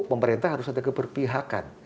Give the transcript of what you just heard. pemerintah harus ada keberpihakan